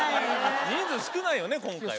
人数少ないよね今回は。